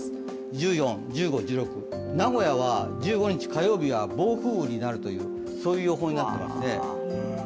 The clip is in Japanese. １４、１５、１６、名古屋は１５日火曜日は暴風雨になる、そういう予報になっていますね。